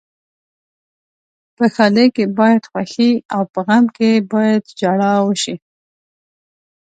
په ښادۍ کې باید خوښي او په غم کې باید ژاړا وشي.